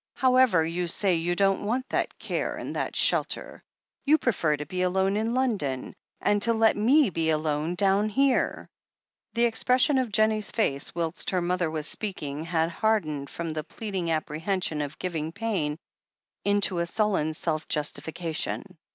However, you say you don't want that care and that shelter. You prefer to be alone in London, and to let me be alone down here." The expression of Jennie's face whilst her mother was speaking had hardened from the pleading appre hension of giving pain into sullen self justification.